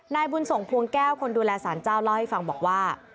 นายบุญส่งพวงแก้วคนดูแลสารเจ้าเล่าให้ฟังบอกว่า